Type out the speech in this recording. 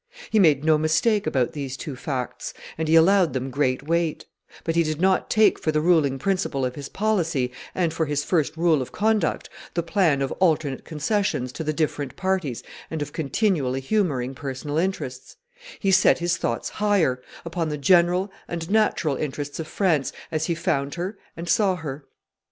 He made no mistake about these two facts, and he allowed them great weight; but he did not take for the ruling principle of his policy and for his first rule of conduct the plan of alternate concessions to the different parties and of continually humoring personal interests; he set his thoughts higher, upon the general and natural interests of France as he found her and saw her.